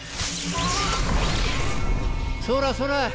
そらそら